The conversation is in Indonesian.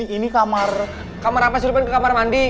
ini kamar kamar apa sih lu pengen ke kamar mandi